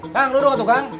kang duduk tuh kang